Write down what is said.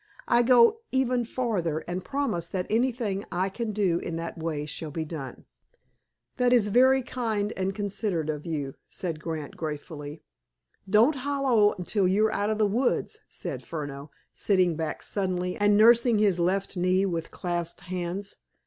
I go even farther, and promise that anything I can do in that way shall be done." "That is very kind and considerate of you," said Grant gratefully. "Don't halloo till you're out of the wood." said Furneaux, sitting back suddenly and nursing his left knee with clasped hands.